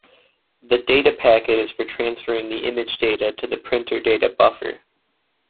The data packet is for transferring the image data to the printer data buffer.